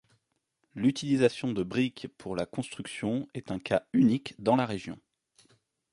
L'utilisation de briques pour la construction est un cas unique dans la région.